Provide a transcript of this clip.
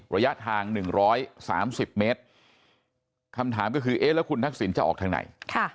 ระยะทาง๑๓๐เมตรคำถามก็คือเอ๊ะแล้วคุณทักษิณจะออกทางไหน